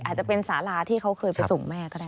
อาจจะเป็นสาราที่เขาเคยไปส่งแม่ก็ได้